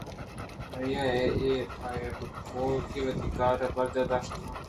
آئی ءَپہ بے گویاکی وتی کار برجاہ داشتگ اَت